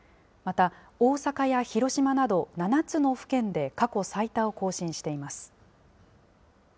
また大阪や広島など７つの府県で過去最多を更新しています。